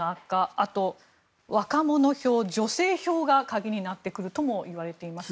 あと若者票、女性票が鍵になってくるともいわれていますが。